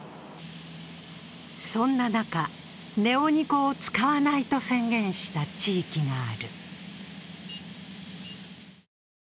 そんな中、ネオニコを使わないと宣言した地域がある。